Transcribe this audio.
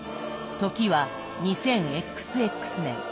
時は２０ＸＸ年。